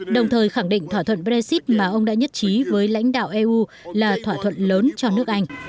đồng thời khẳng định thỏa thuận brexit mà ông đã nhất trí với lãnh đạo eu là thỏa thuận lớn cho nước anh